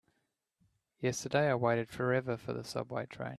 Yesterday I waited forever for the subway train.